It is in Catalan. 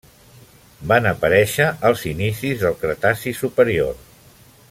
Van aparèixer als inicis del Cretaci superior.